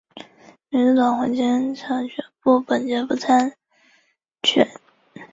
梅日寺毁于民主改革及其后的文化大革命期间。